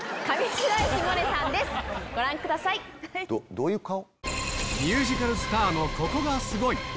どういう顔？